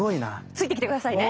ついてきて下さいね！